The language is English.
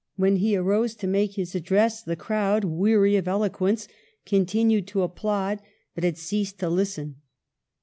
When he arose to make his address the crowd, weary of eloquence, continued to applaud, but had ceased to listen.